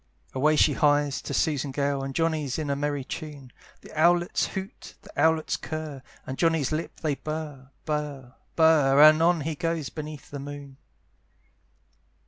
Away she hies to Susan Gale: And Johnny's in a merry tune, The owlets hoot, the owlets curr, And Johnny's lips they burr, burr, burr, And on he goes beneath the moon.